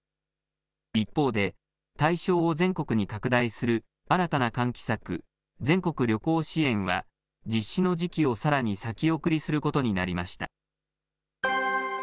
一方で、対象を全国に拡大する新たな喚起策、全国旅行支援は、実施の時期をさらに先送りすることになりました。